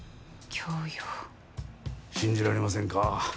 信じられませんか？